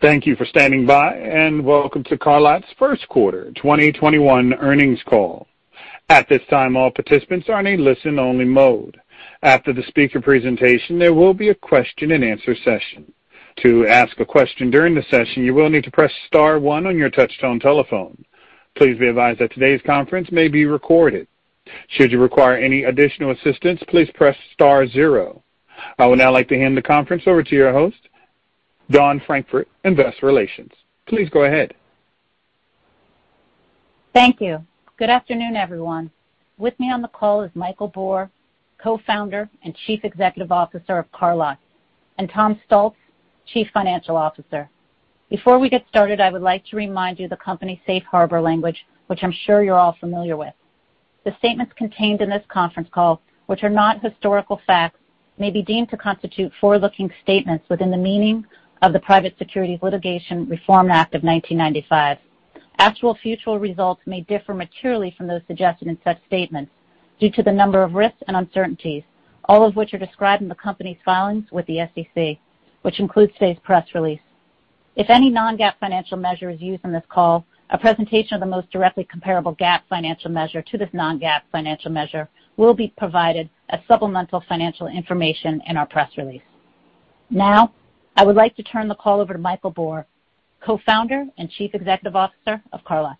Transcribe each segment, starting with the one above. Thank you for standing by, and welcome to CarLotz' first quarter 2021 earnings call. At this time, all participants are in a listen-only mode. After the speaker presentation, there will be a question and answer session. Please be advised that today's conference may be recorded. I would now like to hand the conference over to your host, Dawn Frankfurt, Investor Relations. Please go ahead. Thank you. Good afternoon, everyone. With me on the call is Michael Bor, Co-founder and Chief Executive Officer of CarLotz, and Tom Stoltz, Chief Financial Officer. Before we get started, I would like to remind you of the company's safe harbor language, which I'm sure you're all familiar with. The statements contained in this conference call, which are not historical facts, may be deemed to constitute forward-looking statements within the meaning of the Private Securities Litigation Reform Act of 1995. Actual future results may differ materially from those suggested in such statements due to the number of risks and uncertainties, all of which are described in the company's filings with the SEC, which includes today's press release. If any non-GAAP financial measure is used in this call, a presentation of the most directly comparable GAAP financial measure to this non-GAAP financial measure will be provided as supplemental financial information in our press release. Now, I would like to turn the call over to Michael Bor, Co-founder and Chief Executive Officer of CarLotz.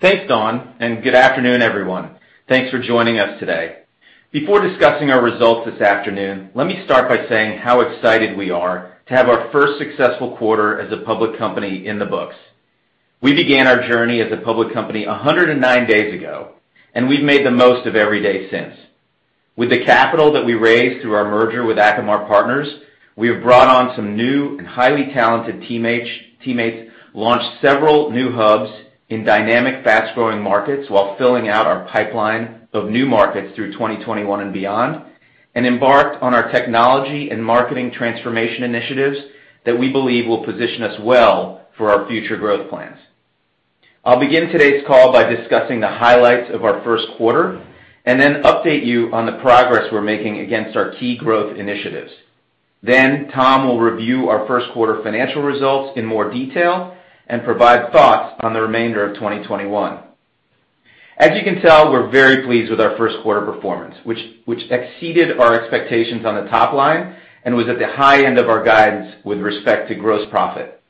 Thanks, Dawn, and good afternoon, everyone. Thanks for joining us today. Before discussing our results this afternoon, let me start by saying how excited we are to have our first successful quarter as a public company in the books. We began our journey as a public company 109 days ago, and we've made the most of every day since. With the capital that we raised through our merger with Acamar Partners, we have brought on some new and highly talented teammates, launched several new hubs in dynamic, fast-growing markets while filling out our pipeline of new markets through 2021 and beyond, and embarked on our technology and marketing transformation initiatives that we believe will position us well for our future growth plans. I'll begin today's call by discussing the highlights of our first quarter, and then update you on the progress we're making against our key growth initiatives. Tom will review our first quarter financial results in more detail and provide thoughts on the remainder of 2021. As you can tell, we're very pleased with our first quarter performance, which exceeded our expectations on the top line and was at the high end of our guidance with respect to gross profit.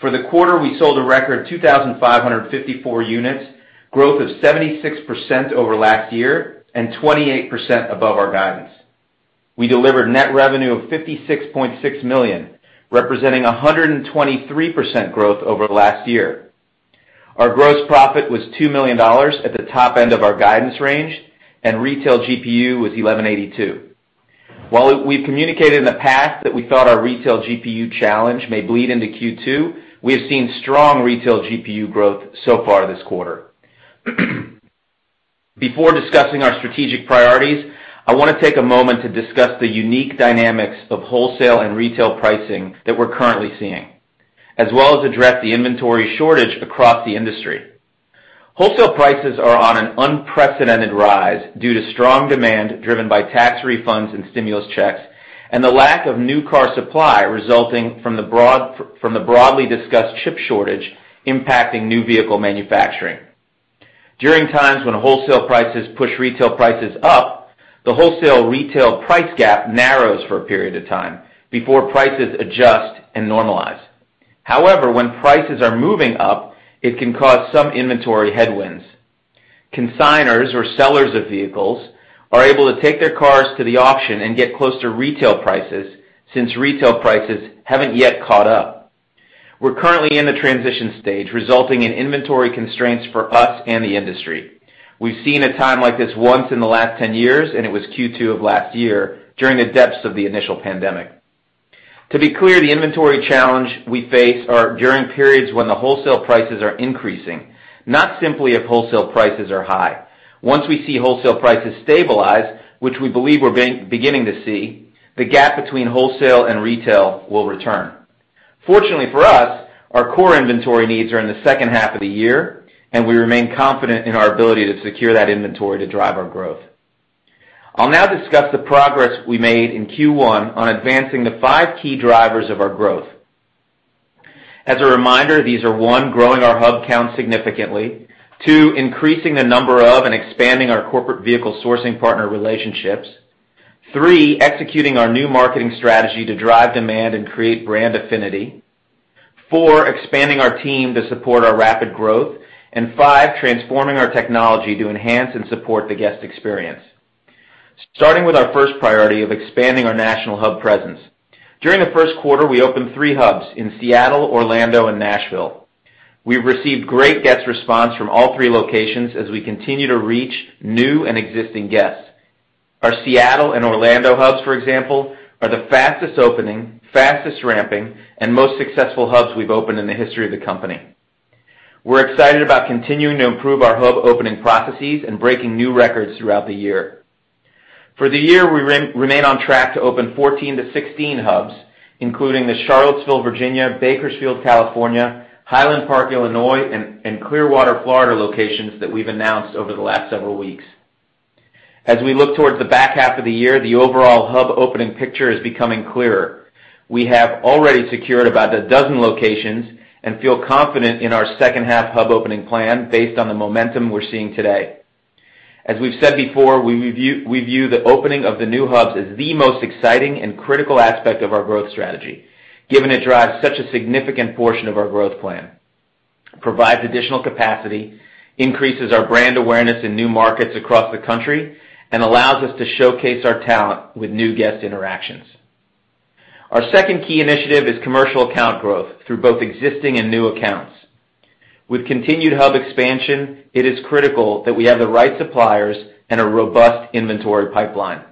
For the quarter, we sold a record 2,554 units, growth of 76% over last year and 28% above our guidance. We delivered net revenue of $56.6 million, representing 123% growth over last year. Our gross profit was $2 million at the top end of our guidance range, and retail GPU was $1,182. While we've communicated in the past that we thought our retail GPU challenge may bleed into Q2, we have seen strong retail GPU growth so far this quarter. Before discussing our strategic priorities, I want to take a moment to discuss the unique dynamics of wholesale and retail pricing that we're currently seeing, as well as address the inventory shortage across the industry. Wholesale prices are on an unprecedented rise due to strong demand driven by tax refunds and stimulus checks, and the lack of new car supply resulting from the broadly discussed chip shortage impacting new vehicle manufacturing. During times when wholesale prices push retail prices up, the wholesale retail price gap narrows for a period of time before prices adjust and normalize. However, when prices are moving up, it can cause some inventory headwinds. Consignors or sellers of vehicles are able to take their cars to the auction and get close to retail prices, since retail prices haven't yet caught up. We're currently in the transition stage, resulting in inventory constraints for us and the industry. We've seen a time like this once in the last 10 years. It was Q2 of last year during the depths of the initial pandemic. To be clear, the inventory challenge we face are during periods when the wholesale prices are increasing, not simply if wholesale prices are high. Once we see wholesale prices stabilize, which we believe we're beginning to see, the gap between wholesale and retail will return. Fortunately for us, our core inventory needs are in the second half of the year. We remain confident in our ability to secure that inventory to drive our growth. I'll now discuss the progress we made in Q1 on advancing the five key drivers of our growth. As a reminder, these are, one, growing our hub count significantly. Two, increasing the number of and expanding our corporate vehicle sourcing partner relationships. Three, executing our new marketing strategy to drive demand and create brand affinity. Four, expanding our team to support our rapid growth. Five, transforming our technology to enhance and support the guest experience. Starting with our first priority of expanding our national hub presence. During the first quarter, we opened three hubs in Seattle, Orlando, and Nashville. We've received great guest response from all three locations as we continue to reach new and existing guests. Our Seattle and Orlando hubs, for example, are the fastest opening, fastest ramping, and most successful hubs we've opened in the history of the company. We're excited about continuing to improve our hub opening processes and breaking new records throughout the year. For the year, we remain on track to open 14-16 hubs, including the Charlottesville, Virginia, Bakersfield, California, Highland Park, Illinois, and Clearwater, Florida, locations that we've announced over the last several weeks. As we look towards the back half of the year, the overall hub opening picture is becoming clearer. We have already secured about 12 locations and feel confident in our second-half hub opening plan based on the momentum we're seeing today. As we've said before, we view the opening of the new hubs as the most exciting and critical aspect of our growth strategy, given it drives such a significant portion of our growth plan, provides additional capacity, increases our brand awareness in new markets across the country, and allows us to showcase our talent with new guest interactions. Our second key initiative is commercial account growth through both existing and new accounts. With continued hub expansion, it is critical that we have the right suppliers and a robust inventory pipeline.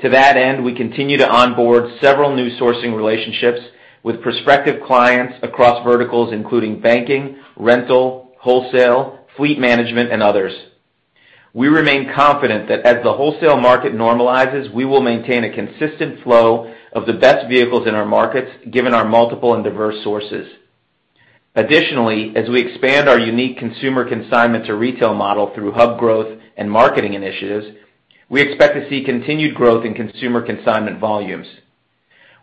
To that end, we continue to onboard several new sourcing relationships with prospective clients across verticals, including banking, rental, wholesale, fleet management, and others. We remain confident that as the wholesale market normalizes, we will maintain a consistent flow of the best vehicles in our markets, given our multiple and diverse sources. Additionally, as we expand our unique consumer consignment-to-retail model through hub growth and marketing initiatives, we expect to see continued growth in consumer consignment volumes.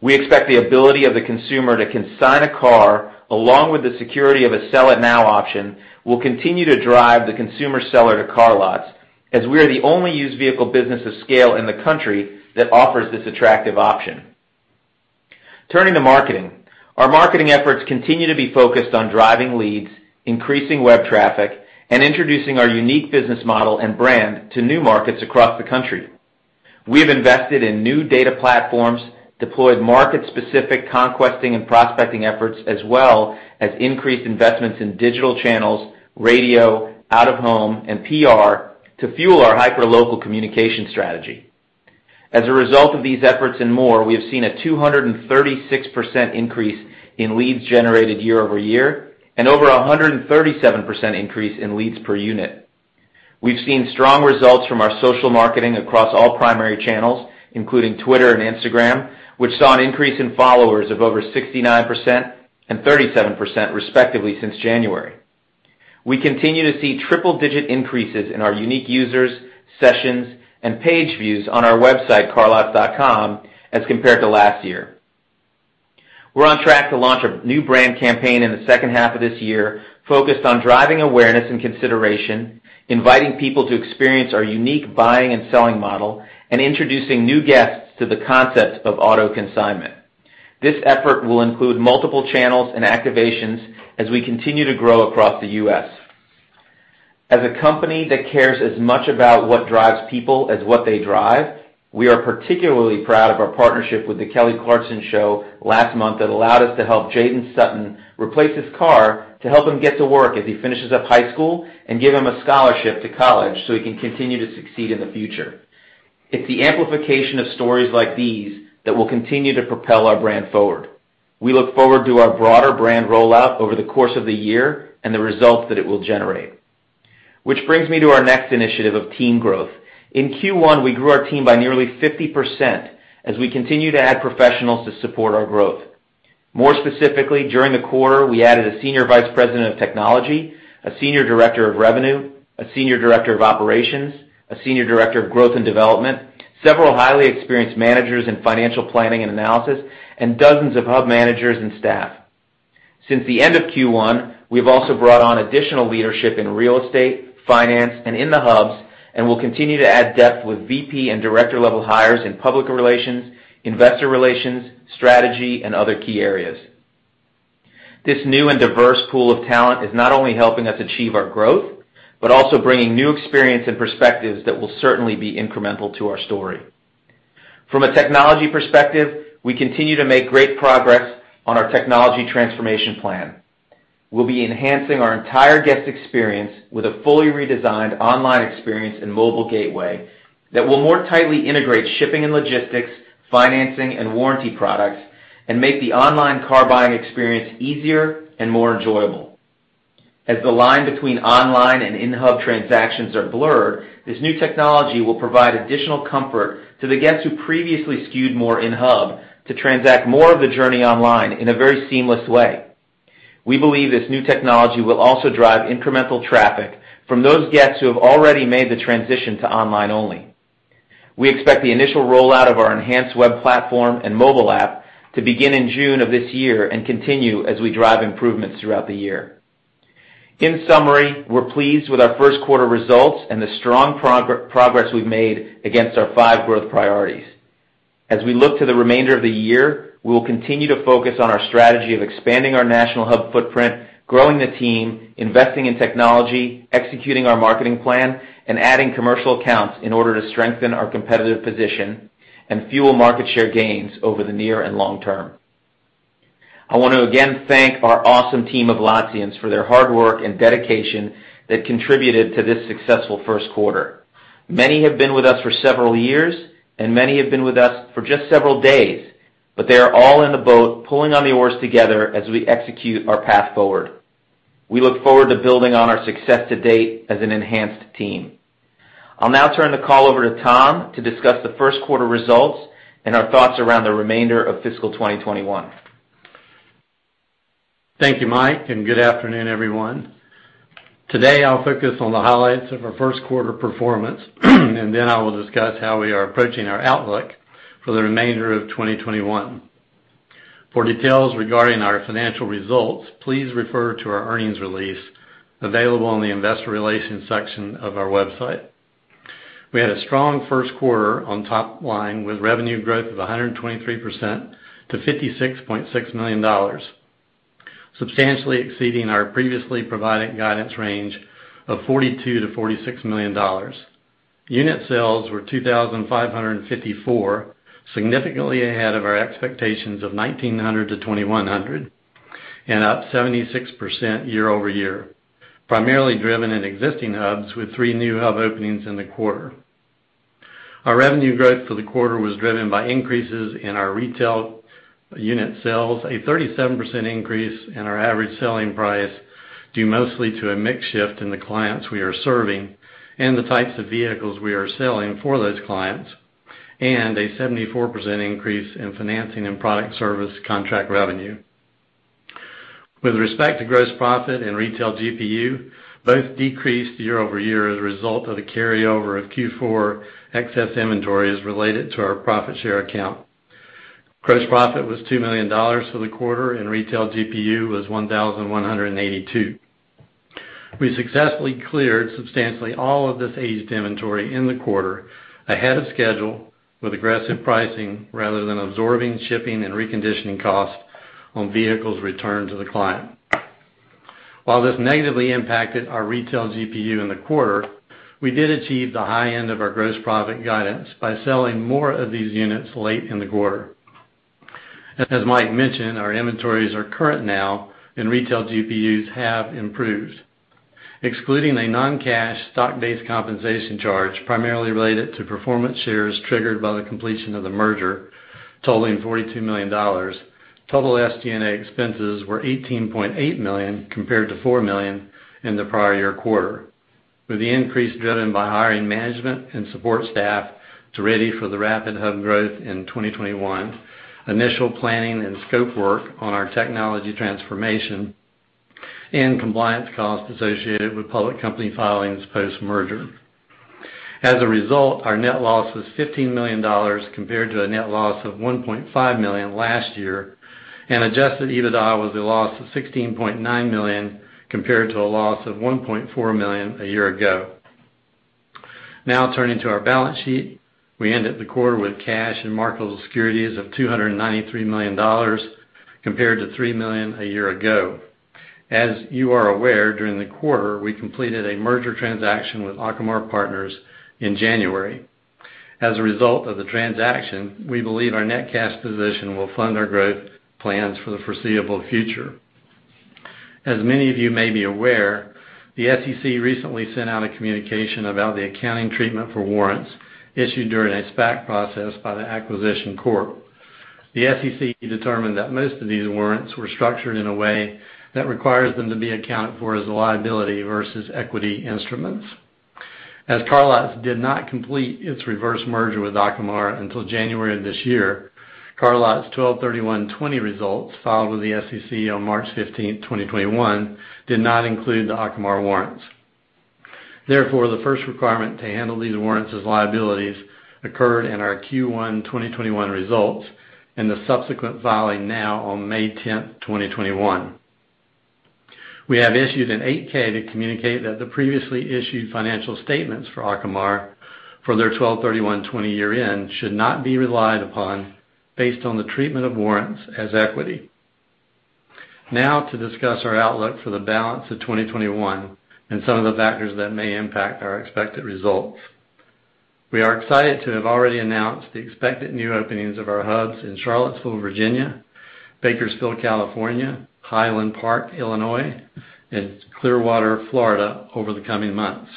We expect the ability of the consumer to consign a car, along with the security of a sell-it-now option, will continue to drive the consumer seller to CarLotz, as we are the only used vehicle business of scale in the country that offers this attractive option. Turning to marketing. Our marketing efforts continue to be focused on driving leads, increasing web traffic, and introducing our unique business model and brand to new markets across the country. We have invested in new data platforms, deployed market-specific conquesting and prospecting efforts, as well as increased investments in digital channels, radio, out-of-home, and PR to fuel our hyperlocal communication strategy. As a result of these efforts and more, we have seen a 236% increase in leads generated year-over-year, and over 137% increase in leads per unit. We've seen strong results from our social marketing across all primary channels, including Twitter and Instagram, which saw an increase in followers of over 69% and 37%, respectively, since January. We continue to see triple-digit increases in our unique users, sessions, and page views on our website, carlotz.com, as compared to last year. We're on track to launch a new brand campaign in the second half of this year, focused on driving awareness and consideration, inviting people to experience our unique buying and selling model, and introducing new guests to the concept of auto consignment. This effort will include multiple channels and activations as we continue to grow across the U.S. As a company that cares as much about what drives people as what they drive, we are particularly proud of our partnership with The Kelly Clarkson Show last month that allowed us to help Jayden Sutton replace his car to help him get to work as he finishes up high school and give him a scholarship to college so he can continue to succeed in the future. It's the amplification of stories like these that will continue to propel our brand forward. We look forward to our broader brand rollout over the course of the year and the results that it will generate. Which brings me to our next initiative of team growth. In Q1, we grew our team by nearly 50% as we continue to add professionals to support our growth. More specifically, during the quarter, we added a senior vice president of technology, a senior director of revenue, a senior director of operations, a senior director of growth and development, several highly experienced managers in financial planning and analysis, and dozens of hub managers and staff. Since the end of Q1, we've also brought on additional leadership in real estate, finance, and in the hubs, and we'll continue to add depth with VP- and director-level hires in public relations, investor relations, strategy, and other key areas. This new and diverse pool of talent is not only helping us achieve our growth, but also bringing new experience and perspectives that will certainly be incremental to our story. From a technology perspective, we continue to make great progress on our technology transformation plan. We'll be enhancing our entire guest experience with a fully redesigned online experience and mobile gateway that will more tightly integrate shipping and logistics, financing, and warranty products and make the online car buying experience easier and more enjoyable. As the line between online and in-hub transactions are blurred, this new technology will provide additional comfort to the guests who previously skewed more in-hub to transact more of the journey online in a very seamless way. We believe this new technology will also drive incremental traffic from those guests who have already made the transition to online only. We expect the initial rollout of our enhanced web platform and mobile app to begin in June of this year and continue as we drive improvements throughout the year. In summary, we're pleased with our first quarter results and the strong progress we've made against our five growth priorities. As we look to the remainder of the year, we will continue to focus on our strategy of expanding our national hub footprint, growing the team, investing in technology, executing our marketing plan, and adding commercial accounts in order to strengthen our competitive position and fuel market share gains over the near and long term. I want to again thank our awesome team of Lotzians for their hard work and dedication that contributed to this successful first quarter. Many have been with us for several years, and many have been with us for just several days, but they are all in the boat pulling on the oars together as we execute our path forward. We look forward to building on our success to date as an enhanced team. I'll now turn the call over to Tom to discuss the first quarter results and our thoughts around the remainder of fiscal 2021. Thank you, Mike, and good afternoon, everyone. Today, I'll focus on the highlights of our first quarter performance, and then I will discuss how we are approaching our outlook for the remainder of 2021. For details regarding our financial results, please refer to our earnings release, available on the investor relations section of our website. We had a strong first quarter on top line, with revenue growth of 123% to $56.6 million, substantially exceeding our previously provided guidance range of $42 million-$46 million. Unit sales were 2,554, significantly ahead of our expectations of 1,900-2,100, and up 76% year-over-year, primarily driven in existing hubs, with three new hub openings in the quarter. Our revenue growth for the quarter was driven by increases in our retail unit sales, a 37% increase in our average selling price due mostly to a mix shift in the clients we are serving and the types of vehicles we are selling for those clients, and a 74% increase in financing and product service contract revenue. With respect to gross profit and retail GPU, both decreased year-over-year as a result of the carryover of Q4 excess inventories related to our profit share account. Gross profit was $2 million for the quarter, and retail GPU was $1,182. We successfully cleared substantially all of this aged inventory in the quarter ahead of schedule with aggressive pricing rather than absorbing shipping and reconditioning costs on vehicles returned to the client. While this negatively impacted our retail GPU in the quarter, we did achieve the high end of our gross profit guidance by selling more of these units late in the quarter. As Mike mentioned, our inventories are current now, and retail GPUs have improved. Excluding a non-cash stock-based compensation charge, primarily related to performance shares triggered by the completion of the merger totaling $42 million, total SG&A expenses were $18.8 million compared to $4 million in the prior year quarter, with the increase driven by hiring management and support staff to ready for the rapid hub growth in 2021, initial planning and scope work on our technology transformation, and compliance costs associated with public company filings post-merger. As a result, our net loss was $15 million compared to a net loss of $1.5 million last year, and adjusted EBITDA was a loss of $16.9 million compared to a loss of $1.4 million a year ago. Now turning to our balance sheet. We ended the quarter with cash and marketable securities of $293 million compared to $3 million a year ago. As you are aware, during the quarter, we completed a merger transaction with Acamar Partners in January. As a result of the transaction, we believe our net cash position will fund our growth plans for the foreseeable future. As many of you may be aware, the SEC recently sent out a communication about the accounting treatment for warrants issued during a SPAC process by the acquisition corp. The SEC determined that most of these warrants were structured in a way that requires them to be accounted for as a liability versus equity instruments. As CarLotz did not complete its reverse merger with Acamar Partners until January of this year, CarLotz 12/31/2020 results, filed with the SEC on March 15, 2021, did not include the Acamar Partners warrants. The first requirement to handle these warrants as liabilities occurred in our Q1 2021 results and the subsequent filing on May 10, 2021. We have issued an 8-K to communicate that the previously issued financial statements for Acamar Partners for their 12/31/2020 year-end should not be relied upon based on the treatment of warrants as equity. To discuss our outlook for the balance of 2021 and some of the factors that may impact our expected results. We are excited to have already announced the expected new openings of our hubs in Charlottesville, Virginia, Bakersfield, California, Highland Park, Illinois, and Clearwater, Florida over the coming months.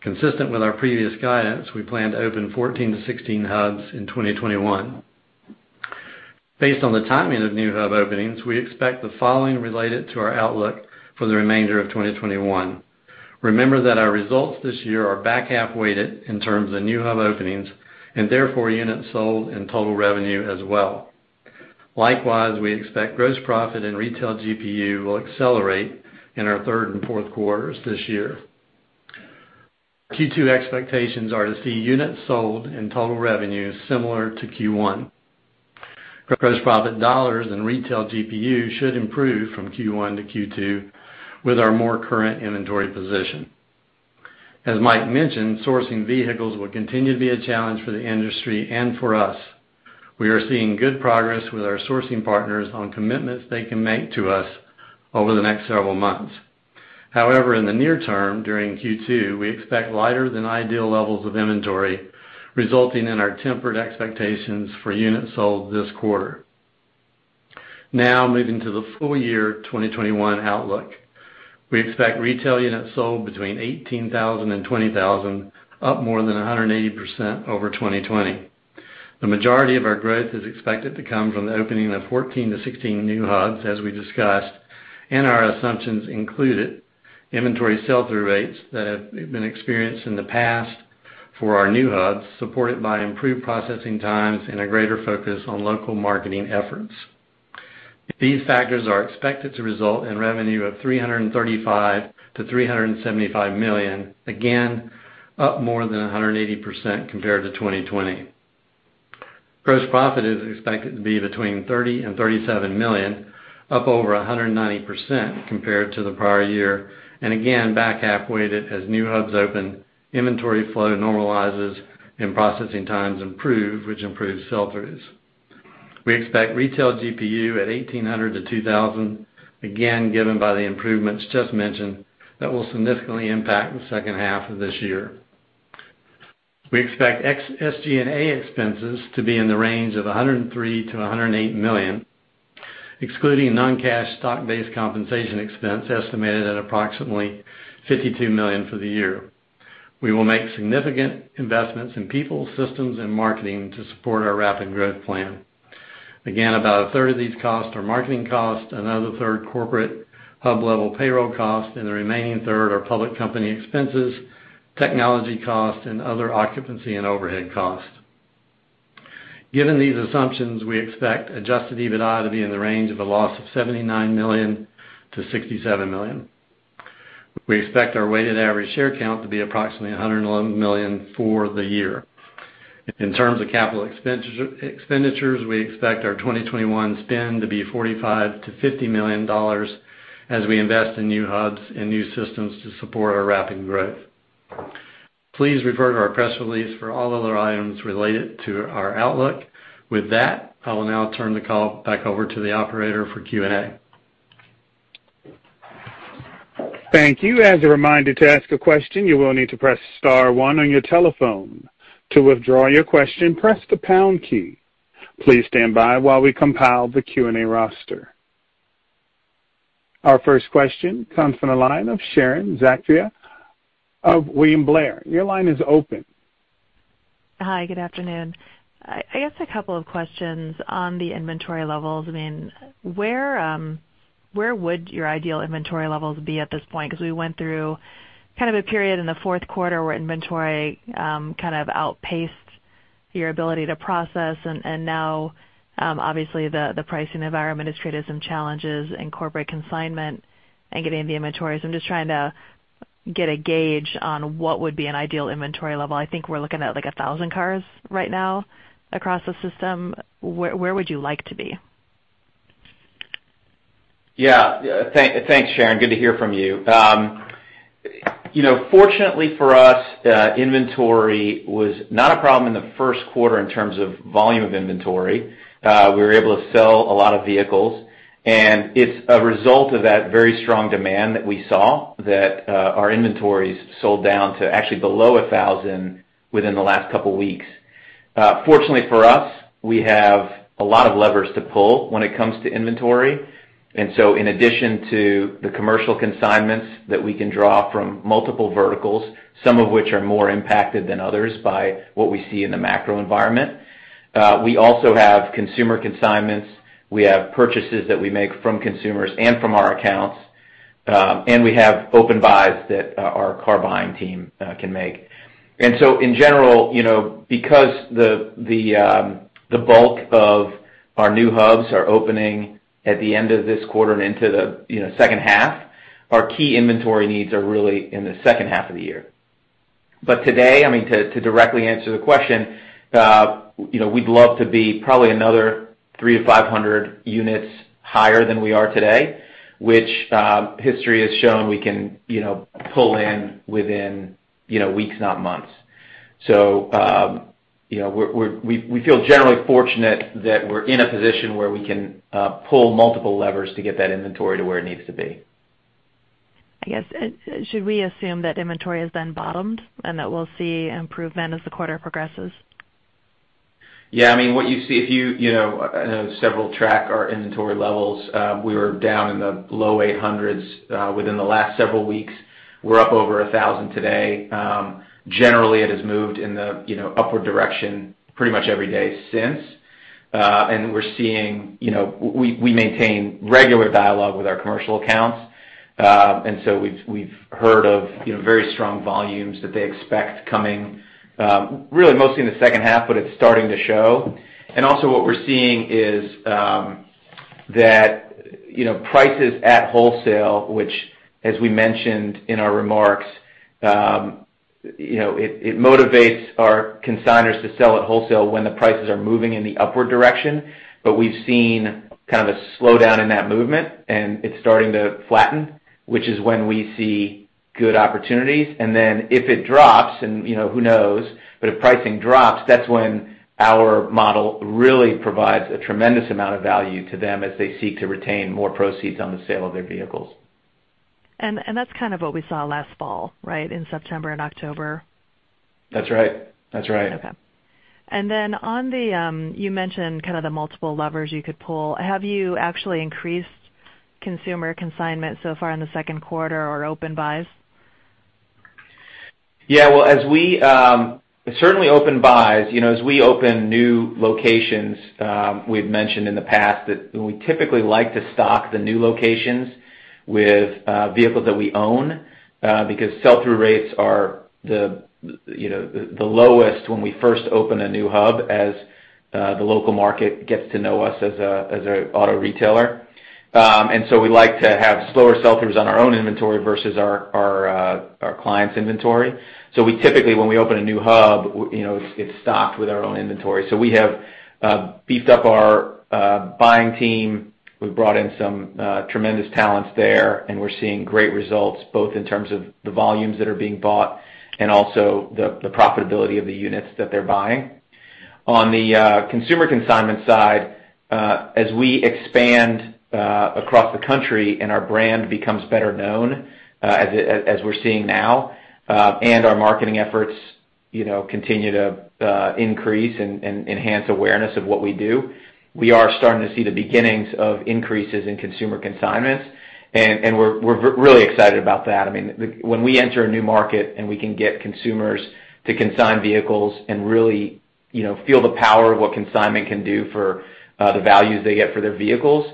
Consistent with our previous guidance, we plan to open 14-16 hubs in 2021. Based on the timing of new hub openings, we expect the following related to our outlook for the remainder of 2021. Remember that our results this year are back-half weighted in terms of new hub openings, and therefore, units sold and total revenue as well. Likewise, we expect gross profit and retail GPU will accelerate in our third and fourth quarters this year. Q2 expectations are to see units sold and total revenue similar to Q1. Gross profit dollars and retail GPU should improve from Q1-Q2 with our more current inventory position. As Michael mentioned, sourcing vehicles will continue to be a challenge for the industry and for us. We are seeing good progress with our sourcing partners on commitments they can make to us over the next several months. However, in the near term, during Q2, we expect lighter than ideal levels of inventory, resulting in our tempered expectations for units sold this quarter. Now moving to the full year 2021 outlook. We expect retail units sold between 18,000 and 20,000, up more than 180% over 2020. The majority of our growth is expected to come from the opening of 14-16 new hubs, as we discussed, and our assumptions included inventory sell-through rates that have been experienced in the past, for our new hubs, supported by improved processing times and a greater focus on local marketing efforts. These factors are expected to result in revenue of $335 million-$375 million, again, up more than 180% compared to 2020. Gross profit is expected to be between $30 million and $37 million, up over 190% compared to the prior year, and again, back half-weighted as new hubs open, inventory flow normalizes, and processing times improve, which improves sell-throughs. We expect retail GPU at $1,800-$2,000, again, given by the improvements just mentioned, that will significantly impact the second half of this year. We expect SG&A expenses to be in the range of $103 million-$108 million, excluding non-cash stock-based compensation expense estimated at approximately $52 million for the year. We will make significant investments in people, systems, and marketing to support our rapid growth plan. Again, about a third of these costs are marketing costs, another third corporate hub level payroll costs, and the remaining third are public company expenses, technology costs, and other occupancy and overhead costs. Given these assumptions, we expect adjusted EBITDA to be in the range of a loss of $79 million-$67 million. We expect our weighted average share count to be approximately 111 million for the year. In terms of capital expenditures, we expect our 2021 spend to be $45 million-$50 million as we invest in new hubs and new systems to support our rapid growth. Please refer to our press release for all other items related to our outlook. With that, I will now turn the call back over to the operator for Q&A. Thank you. As a reminder, to ask a question, you will need to press star one on your telephone. To withdraw your question, press the pound key. Please stand by while we compile the Q&A roster. Our first question comes from the line of Sharon Zackfia of William Blair. Your line is open. Hi, good afternoon. I guess a couple of questions on the inventory levels. Where would your ideal inventory levels be at this point? Because we went through kind of a period in the fourth quarter where inventory kind of outpaced your ability to process, and now obviously the pricing environment has created some challenges in corporate consignment and getting the inventories. I'm just trying to get a gauge on what would be an ideal inventory level. I think we're looking at 1,000 cars right now across the system. Where would you like to be? Thanks, Sharon. Good to hear from you. Fortunately for us, inventory was not a problem in the first quarter in terms of volume of inventory. We were able to sell a lot of vehicles. It's a result of that very strong demand that we saw that our inventories sold down to actually below 1,000 within the last couple of weeks. Fortunately for us, we have a lot of levers to pull when it comes to inventory. In addition to the commercial consignments that we can draw from multiple verticals, some of which are more impacted than others by what we see in the macro environment, we also have consumer consignments, we have purchases that we make from consumers and from our accounts, and we have open buys that our car buying team can make. In general, because the bulk of our new hubs are opening at the end of this quarter and into the second half, our key inventory needs are really in the second half of the year. Today, to directly answer the question, we'd love to be probably another 300-500 units higher than we are today, which history has shown we can pull in within weeks, not months. We feel generally fortunate that we're in a position where we can pull multiple levers to get that inventory to where it needs to be. I guess, should we assume that inventory has then bottomed, and that we'll see improvement as the quarter progresses? Yeah. I know several track our inventory levels. We were down in the low 800s within the last several weeks. We're up over 1,000 today. Generally, it has moved in the upward direction pretty much every day since. We maintain regular dialogue with our commercial accounts. We've heard of very strong volumes that they expect coming really mostly in the second half, but it's starting to show. Also what we're seeing is that prices at wholesale, which as we mentioned in our remarks, it motivates our consignors to sell at wholesale when the prices are moving in the upward direction. We've seen kind of a slowdown in that movement, and it's starting to flatten, which is when we see good opportunities. Then if it drops, and who knows, but if pricing drops, that's when our model really provides a tremendous amount of value to them as they seek to retain more proceeds on the sale of their vehicles. That's kind of what we saw last fall, right, in September and October. That's right. Okay. You mentioned kind of the multiple levers you could pull. Have you actually increased consumer consignment so far in the second quarter or open buys? Yeah. Certainly open buys. As we open new locations, we've mentioned in the past that we typically like to stock the new locations with vehicles that we own, because sell-through rates are the lowest when we first open a new hub as the local market gets to know us as an auto retailer. We like to have slower sell-throughs on our own inventory versus our client's inventory. We typically, when we open a new hub, it's stocked with our own inventory. We have beefed up our buying team. We've brought in some tremendous talents there, and we're seeing great results, both in terms of the volumes that are being bought and also the profitability of the units that they're buying. On the consumer consignment side, as we expand across the country and our brand becomes better known, as we're seeing now, and our marketing efforts continue to increase and enhance awareness of what we do, we are starting to see the beginnings of increases in consumer consignments, and we're really excited about that. When we enter a new market and we can get consumers to consign vehicles and really feel the power of what consignment can do for the values they get for their vehicles,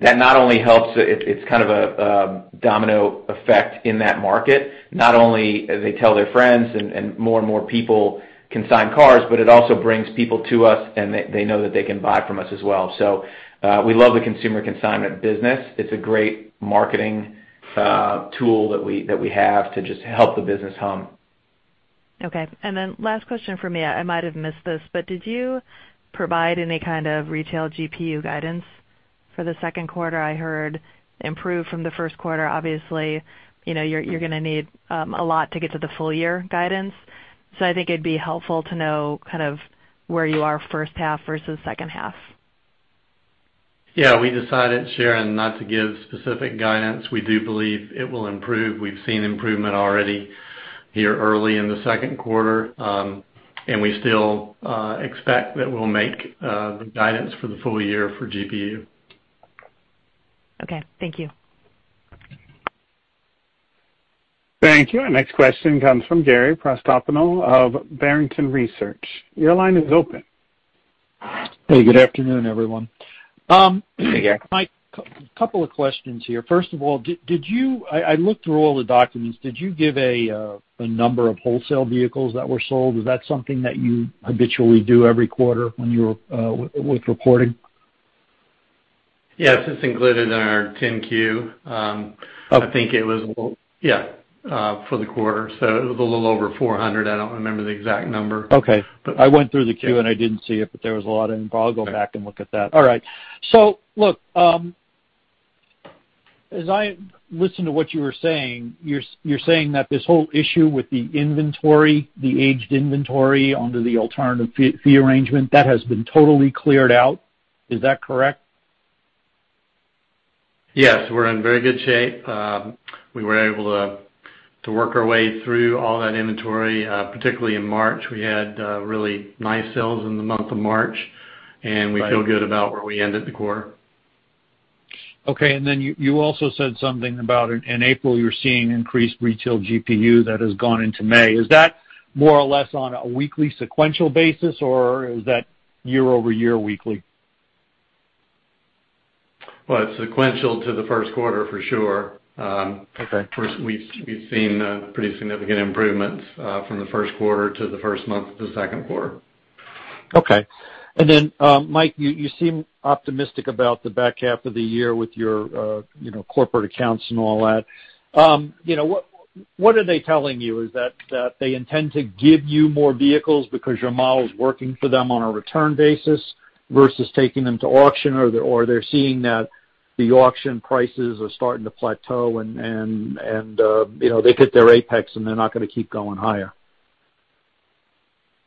that not only helps, it's kind of a domino effect in that market. Not only they tell their friends and more and more people consign cars, but it also brings people to us and they know that they can buy from us as well. We love the consumer consignment business. It's a great marketing tool that we have to just help the business hum. Okay. Last question from me, I might have missed this, did you provide any kind of retail GPU guidance for the second quarter? I heard improved from the first quarter. Obviously, you're going to need a lot to get to the full-year guidance. I think it'd be helpful to know kind of where you are first half versus second half. Yeah. We decided, Sharon, not to give specific guidance. We do believe it will improve. We've seen improvement already here early in the second quarter. We still expect that we'll make the guidance for the full year for GPU. Okay. Thank you. Thank you. Our next question comes from Gary Prestopino of Barrington Research. Your line is open. Hey, good afternoon, everyone. Hey, Gary. Michael, couple of questions here. First of all, I looked through all the documents. Did you give a number of wholesale vehicles that were sold? Is that something that you habitually do every quarter with reporting? Yes, it's included in our 10-Q. Okay. I think it was Yeah, for the quarter. It was a little over 400. I don't remember the exact number. Okay. I went through the 10-Q and I didn't see it, but there was a lot in. I'll go back and look at that. All right. Look, as I listen to what you were saying, you're saying that this whole issue with the inventory, the aged inventory under the alternative fee arrangement, that has been totally cleared out. Is that correct? Yes. We're in very good shape. We were able to work our way through all that inventory, particularly in March. We had really nice sales in the month of March. We feel good about where we end at the quarter. Okay. You also said something about in April, you're seeing increased retail GPU that has gone into May. Is that more or less on a weekly sequential basis, or is that year-over-year weekly? Well, it's sequential to the first quarter for sure. Okay. We've seen a pretty significant improvements from the first quarter to the first month of the second quarter. Okay. Michael, you seem optimistic about the back half of the year with your corporate accounts and all that. What are they telling you? Is that they intend to give you more vehicles because your model's working for them on a return basis versus taking them to auction, or they're seeing that the auction prices are starting to plateau and they hit their apex, and they're not going to keep going higher?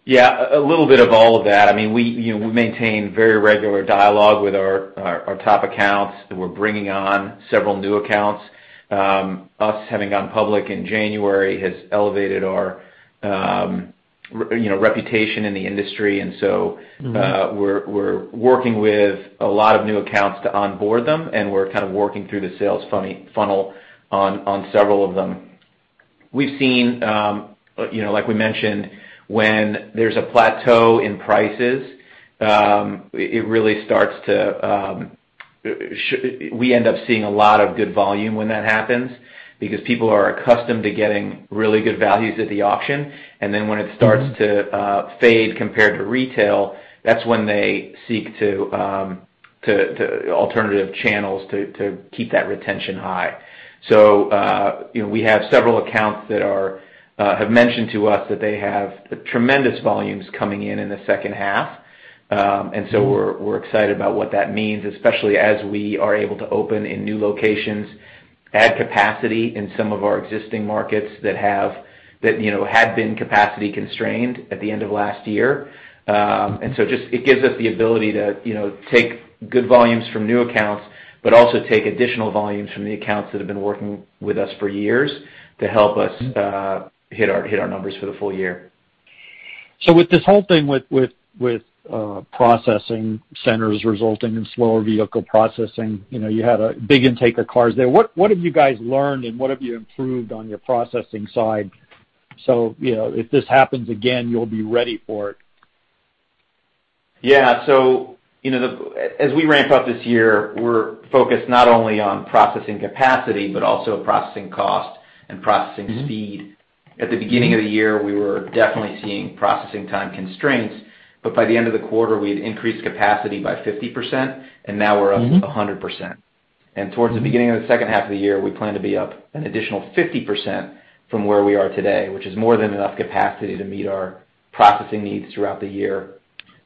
Yeah. A little bit of all of that. We maintain very regular dialogue with our top accounts, and we're bringing on several new accounts. Us having gone public in January has elevated our reputation in the industry. We're working with a lot of new accounts to onboard them, and we're kind of working through the sales funnel on several of them. We've seen, like we mentioned, when there's a plateau in prices, we end up seeing a lot of good volume when that happens because people are accustomed to getting really good values at the auction. When it starts to fade compared to retail, that's when they seek to alternative channels to keep that retention high. We have several accounts that have mentioned to us that they have tremendous volumes coming in in the second half. We're excited about what that means, especially as we are able to open in new locations, add capacity in some of our existing markets that had been capacity constrained at the end of last year. It gives us the ability to take good volumes from new accounts, but also take additional volumes from the accounts that have been working with us for years to help us hit our numbers for the full year. With this whole thing with processing centers resulting in slower vehicle processing, you had a big intake of cars there. What have you guys learned and what have you improved on your processing side? If this happens again, you'll be ready for it. Yeah. As we ramp up this year, we're focused not only on processing capacity, but also processing cost and processing speed. At the beginning of the year, we were definitely seeing processing time constraints, but by the end of the quarter, we had increased capacity by 50%, and now we're up 100%. Towards the beginning of the second half of the year, we plan to be up an additional 50% from where we are today, which is more than enough capacity to meet our processing needs throughout the year.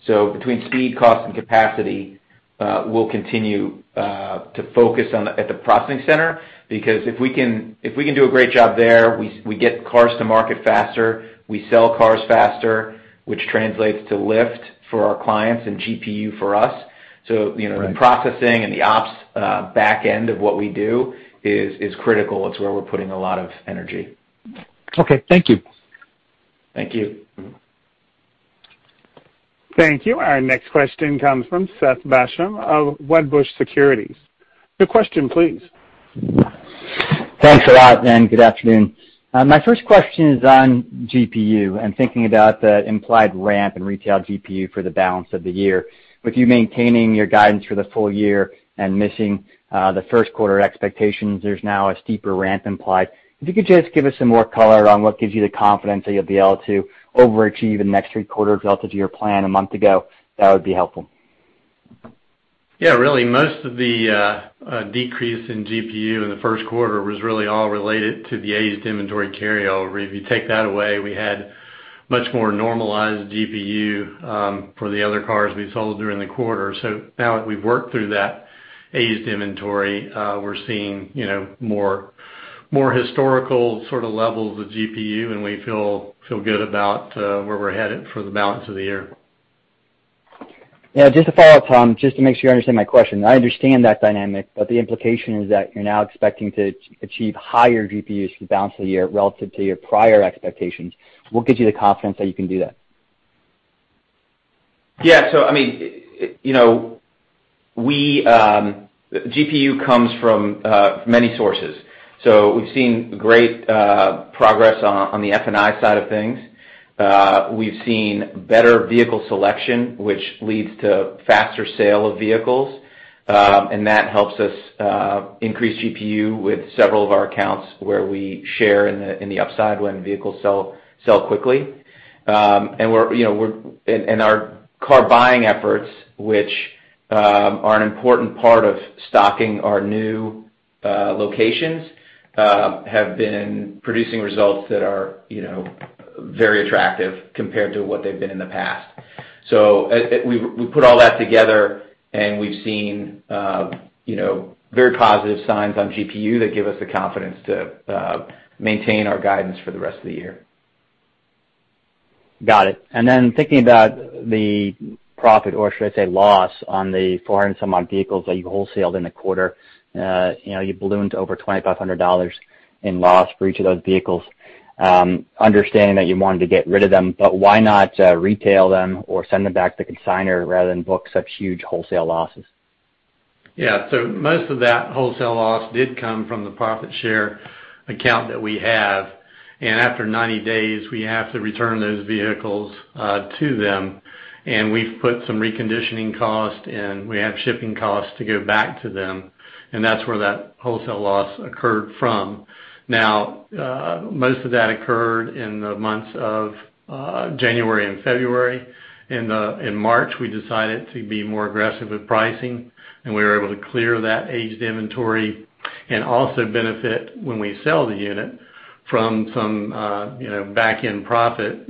Between speed, cost, and capacity, we'll continue to focus at the processing center, because if we can do a great job there, we get cars to market faster, we sell cars faster, which translates to lift for our clients and GPU for us. Right The processing and the ops backend of what we do is critical. It's where we're putting a lot of energy. Okay. Thank you. Thank you. Thank you. Our next question comes from Seth Basham of Wedbush Securities. Your question please. Thanks a lot, and good afternoon. My first question is on GPU and thinking about the implied ramp in retail GPU for the balance of the year. With you maintaining your guidance for the full year and missing the first quarter expectations, there's now a steeper ramp implied. If you could just give us some more color on what gives you the confidence that you'll be able to overachieve in the next three quarters relative to your plan a month ago, that would be helpful. Yeah, really, most of the decrease in GPU in the first quarter was really all related to the aged inventory carryover. If you take that away, we had much more normalized GPU for the other cars we sold during the quarter. Now that we've worked through that aged inventory, we're seeing more historical sort of levels of GPU, and we feel good about where we're headed for the balance of the year. Yeah, just to follow up, Tom, just to make sure I understand my question. I understand that dynamic, but the implication is that you're now expecting to achieve higher GPUs for the balance of the year relative to your prior expectations. What gives you the confidence that you can do that? GPU comes from many sources. We've seen great progress on the F&I side of things. We've seen better vehicle selection, which leads to faster sale of vehicles. That helps us increase GPU with several of our accounts where we share in the upside when vehicles sell quickly. Our car buying efforts, which are an important part of stocking our new locations have been producing results that are very attractive compared to what they've been in the past. We put all that together, and we've seen very positive signs on GPU that give us the confidence to maintain our guidance for the rest of the year. Got it. Thinking about the profit, or should I say loss, on the 400 some odd vehicles that you wholesaled in the quarter. You ballooned over $2,500 in loss for each of those vehicles. Understanding that you wanted to get rid of them, why not retail them or send them back to the consignor rather than book such huge wholesale losses? Yeah. Most of that wholesale loss did come from the profit share account that we have. After 90 days, we have to return those vehicles to them. We've put some reconditioning cost, and we have shipping costs to go back to them, and that's where that wholesale loss occurred from. Now, most of that occurred in the months of January and February. In March, we decided to be more aggressive with pricing, and we were able to clear that aged inventory and also benefit when we sell the unit from some backend profit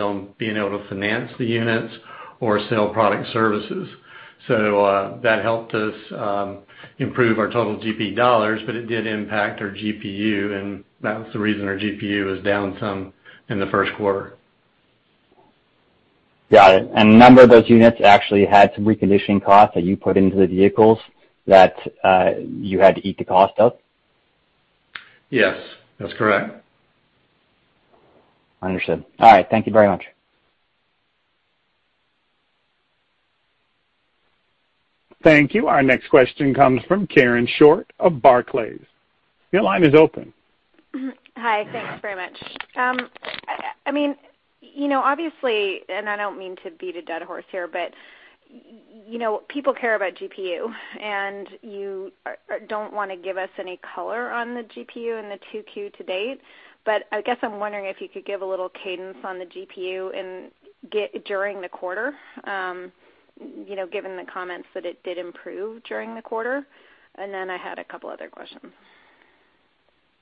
on being able to finance the units or sell product services. That helped us improve our total GP dollars, but it did impact our GPU, and that was the reason our GPU was down some in the first quarter. Got it. A number of those units actually had some reconditioning costs that you put into the vehicles that you had to eat the cost of? Yes. That's correct. Understood. All right. Thank you very much. Thank you. Our next question comes from Karen Short of Barclays. Your line is open. Hi. Thanks very much. Obviously, I don't mean to beat a dead horse here, but people care about GPU, and you don't want to give us any color on the GPU in the 2Q to date. I guess I'm wondering if you could give a little cadence on the GPU during the quarter, given the comments that it did improve during the quarter. I had a couple other questions.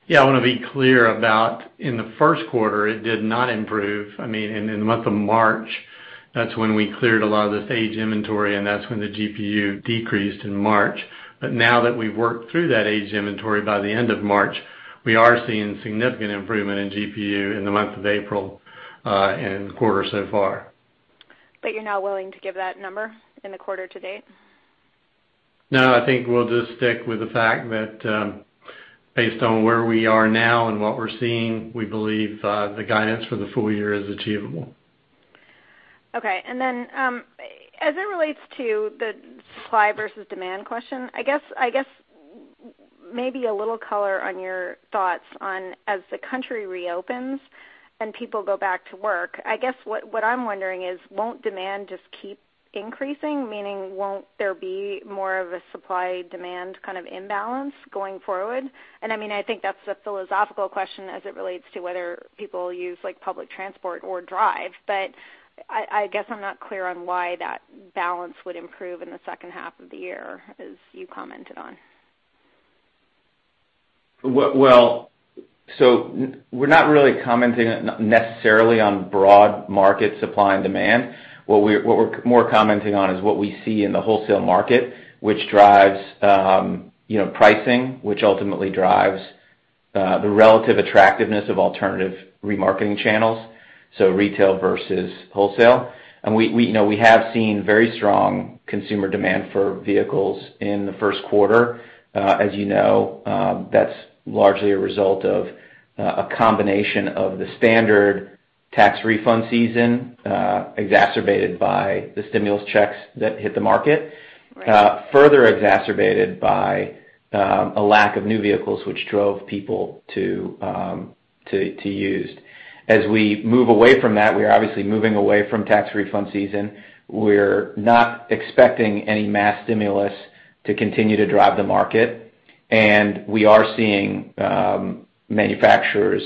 Yeah, I want to be clear about in the first quarter, it did not improve. In the month of March, that's when we cleared a lot of this aged inventory, and that's when the GPU decreased in March. Now that we've worked through that aged inventory by the end of March, we are seeing significant improvement in GPU in the month of April, and in the quarter so far. You're not willing to give that number in the quarter to date? No, I think we'll just stick with the fact that based on where we are now and what we're seeing, we believe the guidance for the full year is achievable. Okay. As it relates to the supply versus demand question, I guess maybe a little color on your thoughts on as the country reopens and people go back to work. I guess what I'm wondering is won't demand just keep increasing? Meaning, won't there be more of a supply-demand kind of imbalance going forward? I think that's a philosophical question as it relates to whether people use public transport or drive. I guess I'm not clear on why that balance would improve in the second half of the year as you commented on. Well, we're not really commenting necessarily on broad market supply and demand. What we're more commenting on is what we see in the wholesale market, which drives pricing, which ultimately drives the relative attractiveness of alternative remarketing channels, so retail versus wholesale. We have seen very strong consumer demand for vehicles in the first quarter. As you know, that's largely a result of a combination of the standard tax refund season exacerbated by the stimulus checks that hit the market. Right. Further exacerbated by a lack of new vehicles, which drove people to used. As we move away from that, we are obviously moving away from tax refund season. We're not expecting any mass stimulus to continue to drive the market. We are seeing manufacturers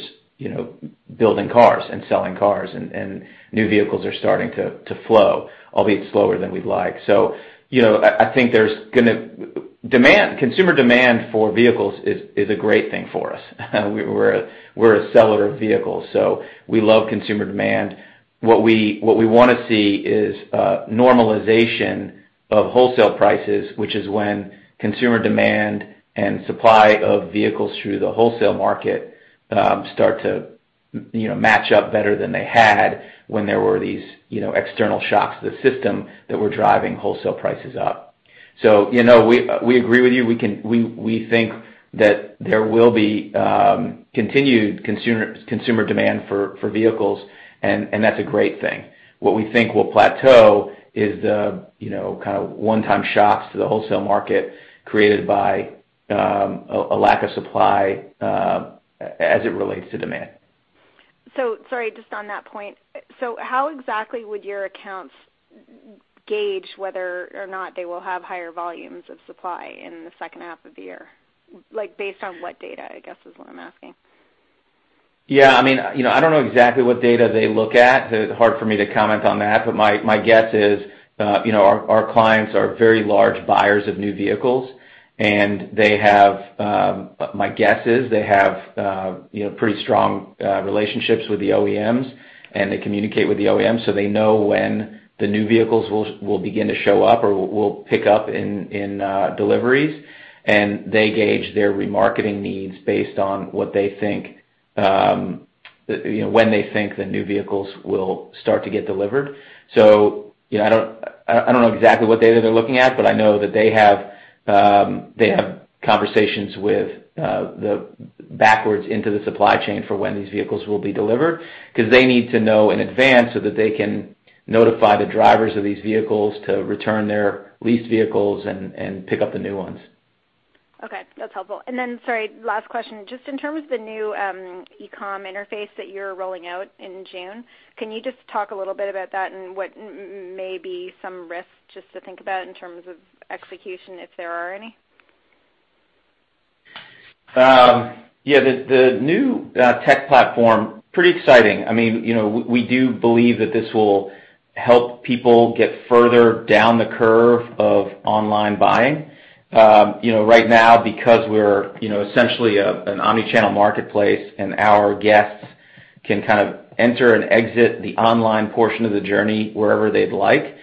building cars and selling cars, and new vehicles are starting to flow, albeit slower than we'd like. I think Consumer demand for vehicles is a great thing for us. We're a seller of vehicles, so we love consumer demand. What we want to see is normalization of wholesale prices, which is when consumer demand and supply of vehicles through the wholesale market start to match up better than they had when there were these external shocks to the system that were driving wholesale prices up. We agree with you. We think that there will be continued consumer demand for vehicles, and that's a great thing. What we think will plateau is the kind of one-time shocks to the wholesale market created by a lack of supply as it relates to demand. Sorry, just on that point. How exactly would your accounts gauge whether or not they will have higher volumes of supply in the second half of the year? Like based on what data, I guess is what I'm asking. Yeah, I don't know exactly what data they look at. It's hard for me to comment on that, but my guess is our clients are very large buyers of new vehicles, and my guess is they have pretty strong relationships with the OEMs, and they communicate with the OEMs, so they know when the new vehicles will begin to show up or will pick up in deliveries. They gauge their remarketing needs based on when they think the new vehicles will start to get delivered. I don't know exactly what data they're looking at, but I know that they have conversations with the backwards into the supply chain for when these vehicles will be delivered because they need to know in advance so that they can notify the drivers of these vehicles to return their leased vehicles and pick up the new ones. Okay. That's helpful. Sorry, last question. Just in terms of the new e-com interface that you're rolling out in June, can you just talk a little bit about that and what may be some risks just to think about in terms of execution, if there are any? Yeah. The new tech platform, pretty exciting. We do believe that this will help people get further down the curve of online buying. Right now because we're essentially an omni-channel marketplace and our guests can kind of enter and exit the online portion of the journey wherever they'd like.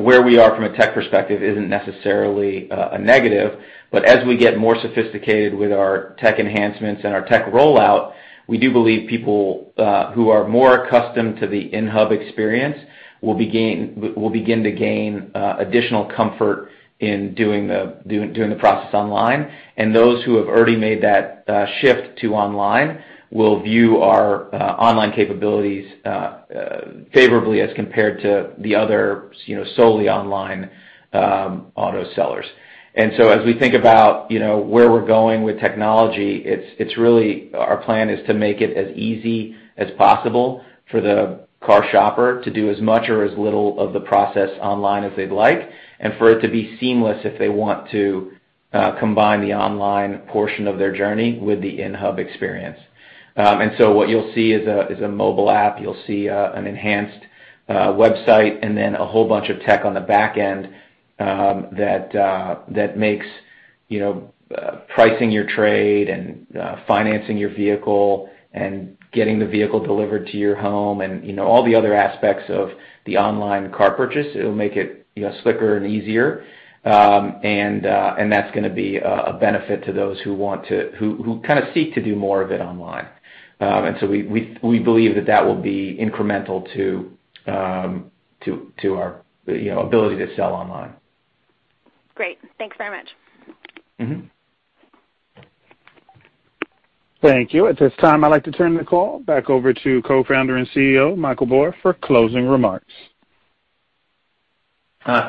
Where we are from a tech perspective isn't necessarily a negative, but as we get more sophisticated with our tech enhancements and our tech rollout, we do believe people who are more accustomed to the in-hub experience will begin to gain additional comfort in doing the process online. Those who have already made that shift to online will view our online capabilities favorably as compared to the other solely online auto sellers. As we think about where we're going with technology, it's really our plan is to make it as easy as possible for the car shopper to do as much or as little of the process online as they'd like, and for it to be seamless if they want to combine the online portion of their journey with the in-hub experience. What you'll see is a mobile app. You'll see an enhanced website and then a whole bunch of tech on the back end that makes pricing your trade and financing your vehicle and getting the vehicle delivered to your home and all the other aspects of the online car purchase, it'll make it slicker and easier. That's going to be a benefit to those who kind of seek to do more of it online. We believe that that will be incremental to our ability to sell online. Great. Thanks very much. Thank you. At this time, I'd like to turn the call back over to Co-founder and CEO, Michael Bor, for closing remarks.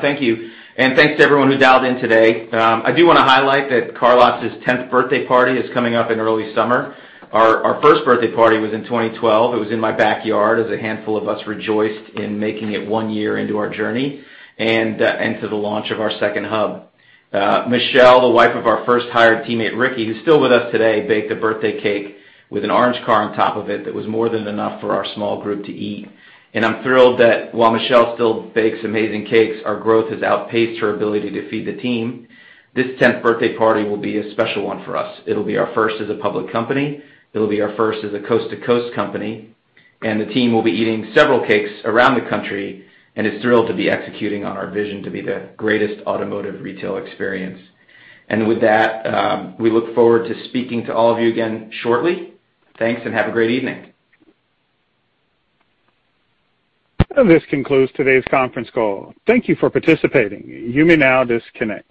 Thank you, and thanks to everyone who dialed in today. I do want to highlight that CarLotz's 10th birthday party is coming up in early summer. Our first birthday party was in 2012. It was in my backyard as a handful of us rejoiced in making it one year into our journey and to the launch of our second hub. Michelle, the wife of our first hired teammate, Ricky, who's still with us today, baked a birthday cake with an orange car on top of it that was more than enough for our small group to eat. I'm thrilled that while Michelle still bakes amazing cakes, our growth has outpaced her ability to feed the team. This 10th birthday party will be a special one for us. It'll be our first as a public company. It'll be our first as a coast-to-coast company, and the team will be eating several cakes around the country and is thrilled to be executing on our vision to be the greatest automotive retail experience. With that, we look forward to speaking to all of you again shortly. Thanks and have a great evening. This concludes today's conference call. Thank you for participating. You may now disconnect.